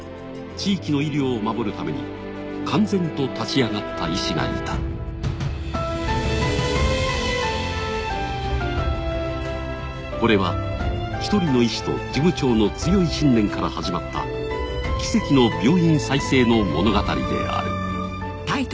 地域の医療を守るために敢然と立ち上がった医師がいたこれは１人の医師と事務長の強い信念から始まった奇跡の病院再生の物語であるこんにちは。